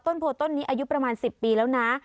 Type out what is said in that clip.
โพต้นนี้อายุประมาณ๑๐ปีแล้วนะ